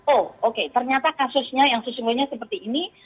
oh oke ternyata kasusnya yang sesungguhnya seperti ini